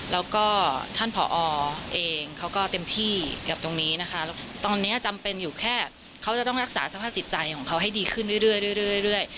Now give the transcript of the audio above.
แล้วก็ท่านผอเองเขาก็เต็มที่กับตรงนี้นะคะแล้วตอนนี้จำเป็นอยู่แค่เขาจะต้องรักษาสภาพจิตใจของเขาให้ดีขึ้นเรื่อย